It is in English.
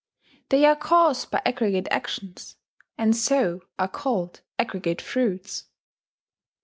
They are caused by aggregate actions, and so are called aggregate fruits.